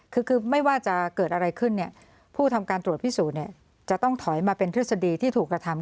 คือไม่ว่าจะเกิดอะไรขึ้นเนี่ยผู้ทำการตรวจพิสูจน์เนี่ยจะต้องถอยมาเป็นทฤษฎีที่ถูกกระทำ